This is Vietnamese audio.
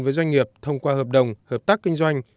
với doanh nghiệp thông qua hợp đồng hợp tác kinh doanh